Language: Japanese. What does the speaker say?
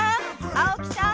青木さん！